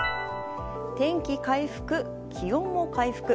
天気回復、気温も回復。